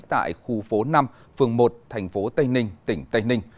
tại khu phố năm phường một thành phố tây ninh tỉnh tây ninh